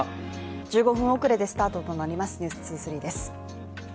１５分遅れでスタートとなります「ｎｅｗｓ２３」です